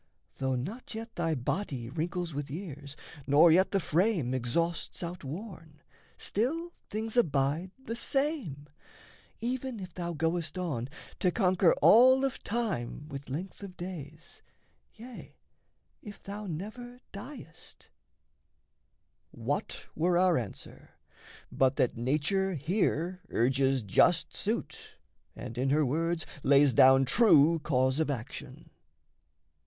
Though not yet thy body Wrinkles with years, nor yet the frame exhausts Outworn, still things abide the same, even if Thou goest on to conquer all of time With length of days, yea, if thou never diest" What were our answer, but that Nature here Urges just suit and in her words lays down True cause of action?